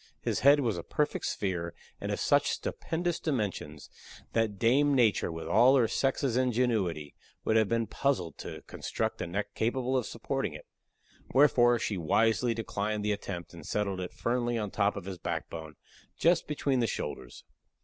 His head was a perfect sphere, and of such stupendous dimensions that Dame Nature, with all her sex's ingenuity, would have been puzzled to construct a neck capable of supporting it; wherefore she wisely declined the attempt, and settled it firmly on the top of his backbone, just between the shoulders.